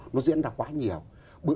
nó diễn ra quá nhiều